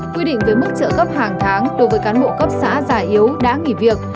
quy định về mức trợ cấp hàng tháng đối với cán bộ cấp xã già yếu đã nghỉ việc